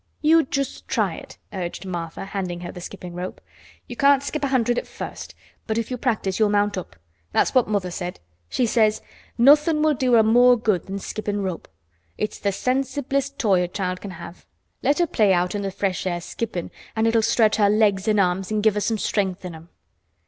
"You just try it," urged Martha, handing her the skipping rope. "You can't skip a hundred at first, but if you practice you'll mount up. That's what mother said. She says, 'Nothin' will do her more good than skippin' rope. It's th' sensiblest toy a child can have. Let her play out in th' fresh air skippin' an' it'll stretch her legs an' arms an' give her some strength in 'em.